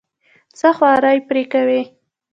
څه خواري پرې کوې.